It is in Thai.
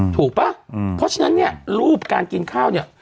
ป่ะเพราะฉะนั้นเนี่ยรูปการกินข้าวเนี่ย